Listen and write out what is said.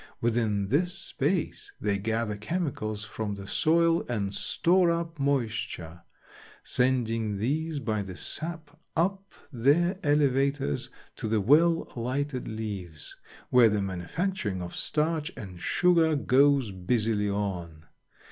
Within this space they gather chemicals from the soil and store up moisture, sending these by the sap up their elevators to the well lighted leaves, where the manufacturing of starch and sugar goes busily on.